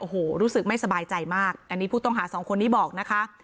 โอ้โหรู้สึกไม่สบายใจมากอันนี้ผู้ต้องหาสองคนนี้บอกนะคะ